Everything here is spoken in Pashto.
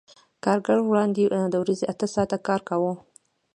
کارګر وړاندې د ورځې اته ساعته کار کاوه